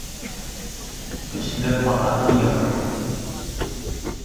Көслө атаһын йығыр.